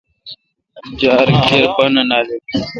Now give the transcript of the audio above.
جار کیر بانہ نالیل۔